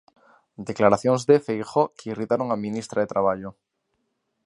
Declaracións de Feijóo que irritaron a ministra de Traballo.